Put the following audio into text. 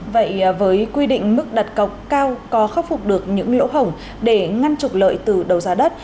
vậy với quy định mức đặt cọc cao có khắc phục được những lỗ hồng để ngăn trục lợi từ đầu giá đất